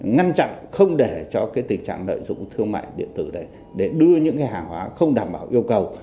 ngăn chặn không để cho tình trạng lợi dụng thương mại điện tử để đưa những hàng hóa không đảm bảo yêu cầu